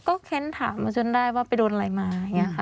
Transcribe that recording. ก็เค้นถามจนได้ว่าไปโดนอะไรมา